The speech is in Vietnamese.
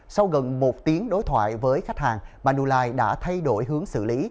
sau gần một tiếng đối thoại với khách hàng badulife đã thay đổi hướng xử lý